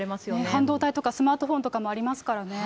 半導体とかスマートフォンとかもありますからね。